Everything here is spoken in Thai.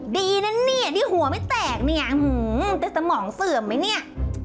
ดีนะเนี่ยที่หัวไม่แตกเนี่ยแต่สมองเสื่อมไหมเนี่ย